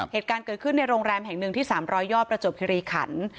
เหตุการณ์เกิดขึ้นในโรงแรมแห่งหนึ่งที่๓๐๐ยอดประจวบคิริขัน